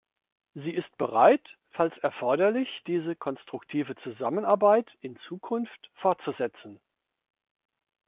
Sie ist bereit, falls erforderlich diese konstruktive Zusammenarbeit in Zukunft fortzusetzen.